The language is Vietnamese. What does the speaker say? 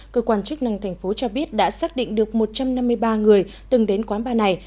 cơ quan chức năng thành phố cho biết đã xác định được một trăm năm mươi ba người từng đến quán ba này